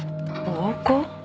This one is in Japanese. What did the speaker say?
暴行？